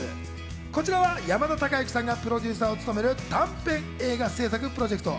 こちらは山田孝之さんがプロデューサーを務める短編映画制作プロジェクト。